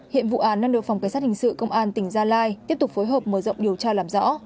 hiện vụ án đang được phòng cảnh sát hình sự công an tỉnh gia lai tiếp tục phối hợp mở rộng điều tra làm rõ